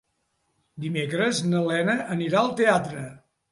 Dimecres na Lena anirà al teatre.